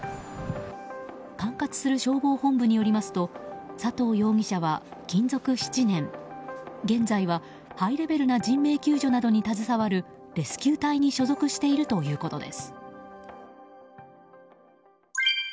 管轄する消防本部によりますと佐藤容疑者は勤続７年、現在はハイレベルな人命救助などに携わるレスキュー隊に所属しているということです。